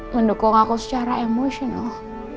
mendukung aku secara emosional